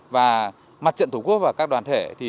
và mặt trận thủ quốc và các đoàn thể